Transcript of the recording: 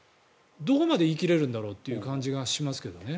どこまで言い切れるんだろうという感じがしますけどね。